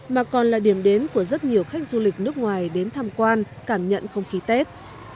mà còn là điểm đến của rất nhiều khách du lịch nước ngoài đến tham quan cảm nhận không khí tết